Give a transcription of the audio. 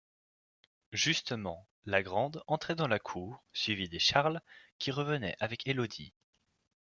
Justement, la Grande entrait dans la cour, suivie des Charles, qui revenaient avec Élodie.